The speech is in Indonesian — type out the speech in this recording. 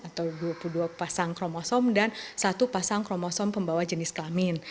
atau dua puluh dua pasang kromosom dan satu pasang kromosom pembawa jenis kelamin